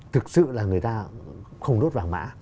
thực sự là người ta không đốt vàng mã